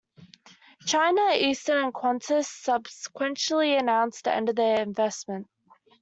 China Eastern and Qantas subsequently announced the end of the investment.